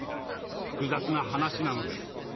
複雑な話なのです。